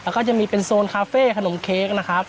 แล้วก็จะมีเป็นโซนคาเฟ่ขนมเค้กนะครับ